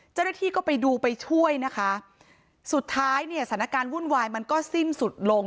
เจ้าหน้าที่ก็ไปดูไปช่วยนะคะสุดท้ายเนี่ยสถานการณ์วุ่นวายมันก็สิ้นสุดลง